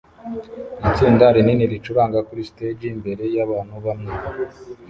Itsinda rinini ricuranga kuri stage mbere yabantu bamwe